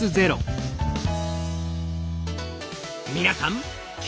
皆さん